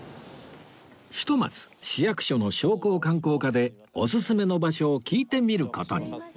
ひとまず市役所の商工観光課でオススメの場所を聞いてみる事に